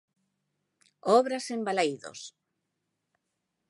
Obras en Balaídos.